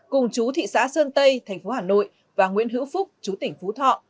cùng chú thị xã sơn tây thành phố hà nội và nguyễn hữu phúc chú tỉnh phú thọ